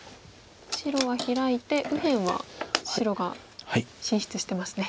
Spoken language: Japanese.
白はヒラいて右辺は白が進出してますね。